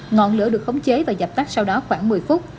ngọn lửa được khống chế và dập tắt sau đó khoảng một mươi phút